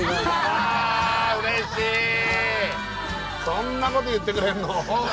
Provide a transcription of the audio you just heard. そんなこと言ってくれるの？